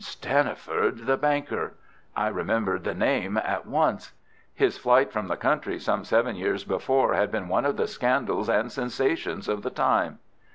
Stanniford, the banker! I remembered the name at once. His flight from the country some seven years before had been one of the scandals and sensations of the time.